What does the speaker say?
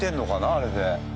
あれで。